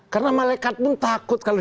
karena malaikat pun takut kalau